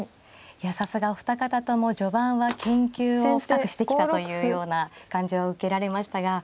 いやさすがお二方とも序盤は研究を深くしてきたというような感じを受けられましたが。